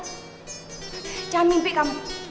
jangan mimpi kamu